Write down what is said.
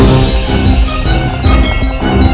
jangan pernah lakukan